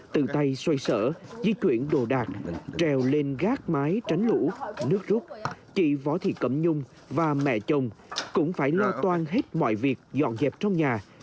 từ tay xoay sở di chuyển đồ đạc trèo lên gác mái tránh lũ nước rút chị võ thị cẩm nhung và mẹ chồng cũng phải lo toan hết mọi việc dọn dẹp trong nhà